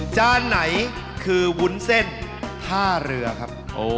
ไหนคือวุ้นเส้นท่าเรือครับ